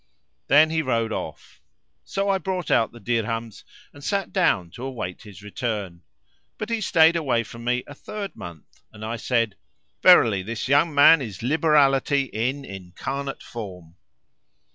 Then he rode off. So I brought out the dirhams and sat down to await his return; but he stayed away from me a third month, and I said, "Verily this young man is liberality in incarnate form."